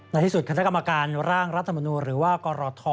ในที่สุดคณะกรรมการร่างรัฐมนูลหรือว่ากรท